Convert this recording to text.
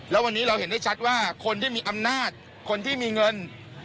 แล้ววันนี้เราเห็นได้ชัดว่าคนที่มีอำนาจคนที่มีเงิน